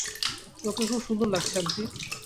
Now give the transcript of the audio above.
তোমাকে খুব সুন্দর লাগছে, আন্টি।